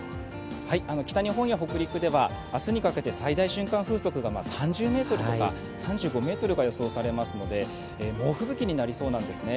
北日本や北陸では明日にかけて最大瞬間風速が３０メートルとか３５メートルが予想されますので猛吹雪になりそうなんですね。